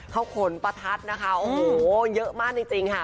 เขาขนประทัดนะคะโอ้โหเยอะมากจริงค่ะ